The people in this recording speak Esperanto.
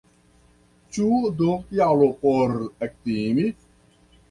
Ĉu do kialo por ektimi?